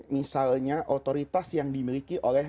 misalnya otoritas yang dimiliki oleh